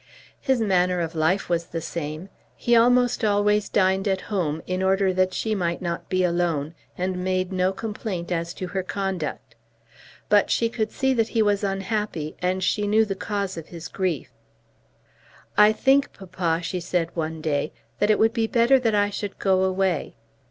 His manner of life was the same. He almost always dined at home in order that she might not be alone, and made no complaint as to her conduct. But she could see that he was unhappy, and she knew the cause of his grief. "I think, papa," she said one day, "that it would be better that I should go away."